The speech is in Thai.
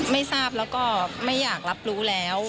ไม่ทราบแล้วก็ไม่อยากรับรู้แล้ว